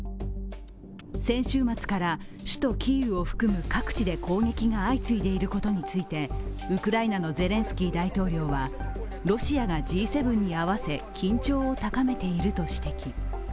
先週末から首都キーウを含む各地で攻撃が相次いでいることについてウクライナのゼレンスキー大統領はロシアがＧ７に合わせ、緊張を高めていると指摘。